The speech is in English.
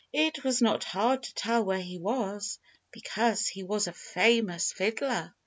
It was not hard to tell where he was, because he was a famous fiddler.